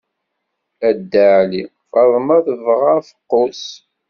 A Dda Ɛli! Faḍma tebɣa afeqqus.